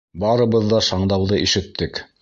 Барыбыҙ ҙа шаңдауҙы ишеттек.